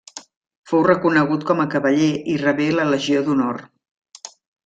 Fou reconegut com a cavaller i rebé la Legió d'Honor.